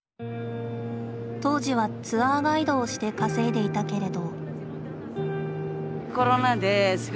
当時はツアーガイドをして稼いでいたけれど。